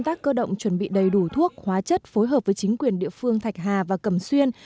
tác cơ động chuẩn bị đầy đủ thuốc hóa chất phối hợp với chính quyền địa phương thạch hà và cẩm xuyên